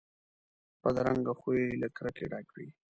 بدرنګه خوی له کرکې ډک وي